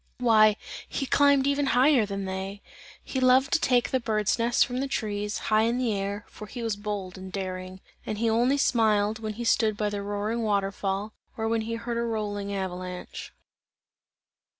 Why he climbed even higher than they! He loved to take the bird's nests from the trees, high in the air, for he was bold and daring; and he only smiled when he stood by the roaring water fall, or when he heard a rolling avalanche.